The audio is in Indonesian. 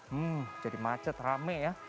hmm jadi macet rame ya